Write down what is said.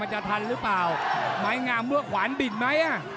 มั่นใจว่าจะได้แชมป์ไปพลาดโดนในยกที่สามครับเจอหุ้กขวาตามสัญชาตยานหล่นเลยครับ